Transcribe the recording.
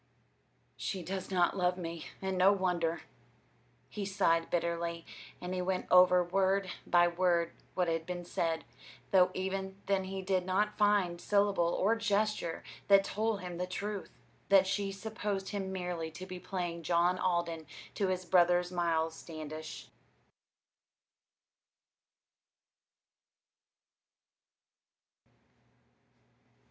"She does not love me, and no wonder," he sighed bitterly; and he went over word by word what had been said, though even then he did not find syllable or gesture that told him the truth that she supposed him merely to be playing John Alden to his brother's Miles Standish.